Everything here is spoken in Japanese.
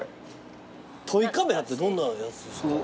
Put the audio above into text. トイカメラってどんなやつですか？